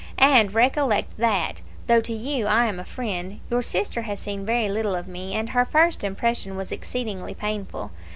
And recollect that, though to you I am a friend, your sister has seen very little of me, and her first impression was exceedingly painful.